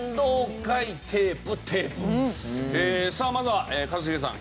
さあまずは一茂さん。